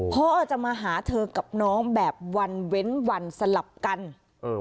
พ่อจะมาหาเธอกับน้องแบบวันเว้นวันสลับกันเออ